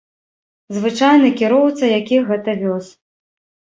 Звычайны кіроўца, які гэта вёз.